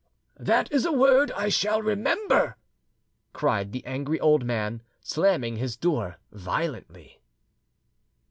"That is a word I shall remember," cried the angry old man, slamming his door violently.